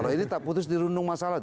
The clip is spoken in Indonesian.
kalau ini tak putus dirundung masalah